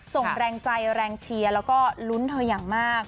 ส่งแรงใจแรงเชียร์แล้วก็ลุ้นเธออย่างมาก